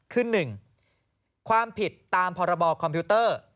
คือ๑ความผิดตามพรบคอมพิวเตอร์